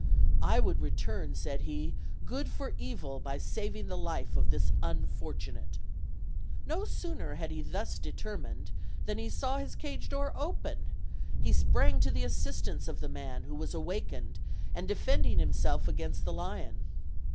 "I would return," said he, "good for evil by saving the life of this unfortunate." No sooner had he thus determined than he saw his cage door open; he sprang to the assistance of the man, who was awakened, and defending himstelf against the OLD, OLD FAIRY TALES. 329 lion.